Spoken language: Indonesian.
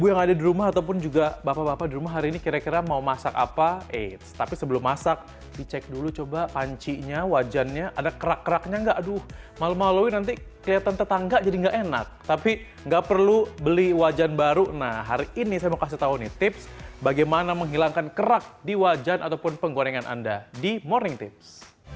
nah hari ini saya mau kasih tau nih tips bagaimana menghilangkan kerak di wajan ataupun penggorengan anda di morning tips